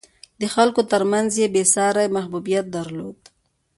د خلکو ترمنځ یې بېساری محبوبیت درلود.